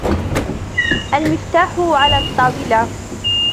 المفتاح علي الطاولة.